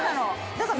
だから。